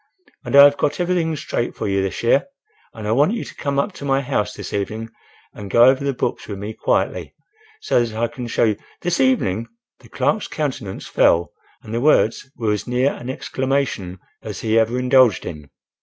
"And I have got everything straight for you this year; and I want you to come up to my house this evening and go over the books with me quietly, so that I can show you—" "This evening?" The clerk's countenance fell and the words were as near an exclamation as he ever indulged in.